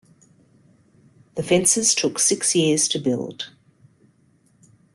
The fences took six years to build.